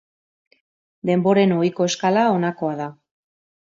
Denboren ohiko eskala honakoa da.